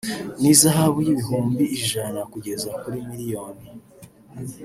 n’ihazabu y’ibihumbi ijana kugeza kuri miliyoni